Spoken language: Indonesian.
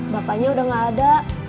bapaknya udah gak ada